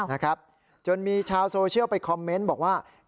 นะครับจนมีชาวโซเชียลไปคอมเมนต์บอกว่า